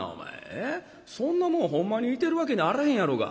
そんなもんほんまにいてるわけにあらへんやろが」。